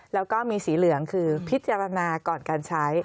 แล้วก็มีสีเหลืองคือพิจารณาก่อนการใช้